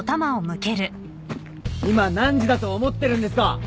今何時だと思ってるんですか！